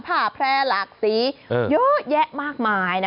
ผ่าแพร่หลากสีเยอะแยะมากมายนะ